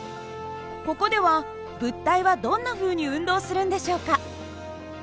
ここでは物体はどんなふうに運動するんでしょうか？